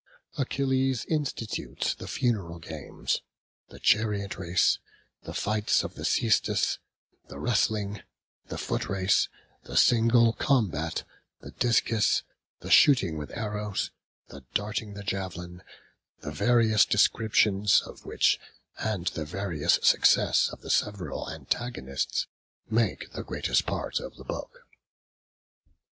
Achilles institutes the funeral games: the chariot race, the fight of the caestus, the wrestling, the footrace, the single combat, the discus, the shooting with arrows, the darting the javelin: the various descriptions of which, and the various success of the several antagonists, make the greatest part of the book.